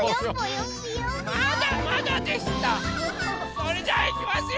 それじゃあいきますよ！